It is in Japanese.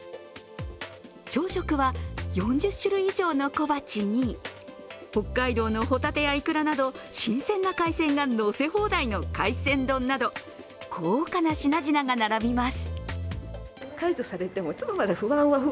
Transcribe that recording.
朝食は４０種類以上の小鉢に北海道のホタテやイクラなど新鮮な海鮮が乗せ放題の海鮮丼など、豪華な品々が並びます。